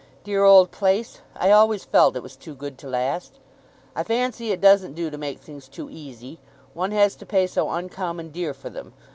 "Dear old place! I always felt it was too good to last. I fancy it doesn't do to make things too easy; one has to pay so uncommon dear for them!